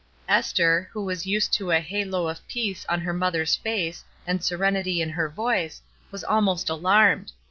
Esther, who was used to a halo of peace on her mother's face and serenity in her voice, was almost alarmed.